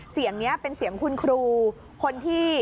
เสียงนี้เป็นเสียงคุณครูคนที่